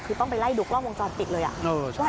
คือต้องไปไล่ดูกล้องวงจรปิดเลยอ่ะเออใช่